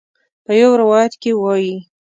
په یو روایت کې وایي.